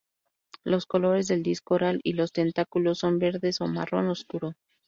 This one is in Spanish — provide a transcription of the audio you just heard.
Los colores del disco oral y los tentáculos son verdes o marrón oscuro.